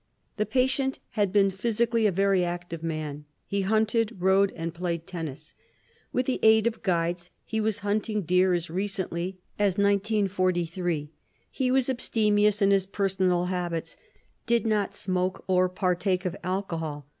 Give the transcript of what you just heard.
The patient had been physically a very active man. He hunted, rode and played tennis. With the aid of guides, he was hunting deer as recently as 1943. He was abstemious in his personal habits, did not smoke or partake of alcohol.